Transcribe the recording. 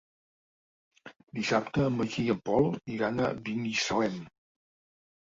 Dissabte en Magí i en Pol iran a Binissalem.